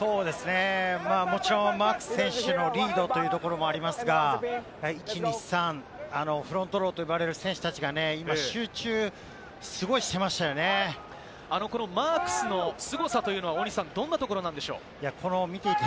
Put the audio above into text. もちろんマークス選手のリードというところもありますが、１、２、３、フロントローと呼ばれる選手たちが今、集中すごいしマークスのすごさというのは大西さん、どんなところですか？